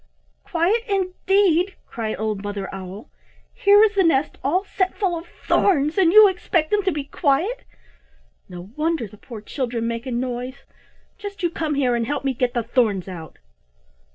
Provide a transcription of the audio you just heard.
"Quiet indeed!" cried old Mother Owl. "Here is the nest all set full of thorns, and you expect them to be quiet. No wonder the poor children make a noise. Just you come here and help me get the thorns out."